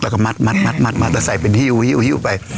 แล้วก็มัดแต่ใส่เป็นฮิวไป